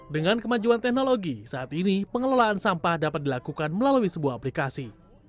dengan kemajuan teknologi saat ini pengelolaan sampah dapat dilakukan melalui sebuah aplikasi